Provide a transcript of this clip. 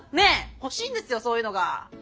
欲しいんですよそういうのが。